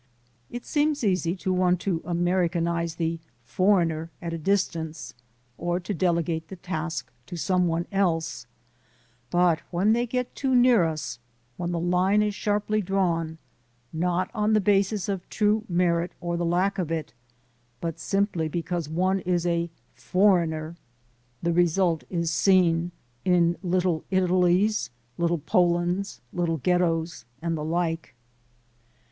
STUMBLING BLOCKS 207 It seems easy to want to Americanize the "foreigner" at a distance, or to delegate the task to some one else, but when they get too near us, then the line is sharply drawn, not on the basis of true merit or the lack of it, but simply because one is a "for eigner." The result is seen in "Little Italies," "Little Polands," "Little Ghettos," and the like.